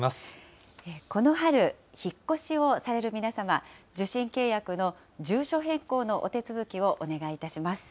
この春、引っ越しをされる皆様、受信契約の住所変更のお手続きをお願いいたします。